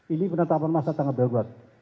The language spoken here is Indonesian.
ini penetapan masa tanggap darurat